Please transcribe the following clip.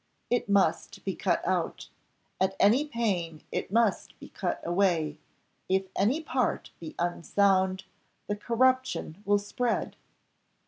It must be cut out at any pain it must be cut away; if any part be unsound, the corruption will spread."